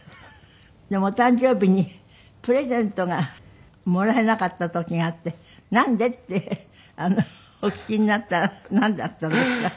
でもお誕生日にプレゼントがもらえなかった時があって「なんで？」ってお聞きになったらなんだったんですか？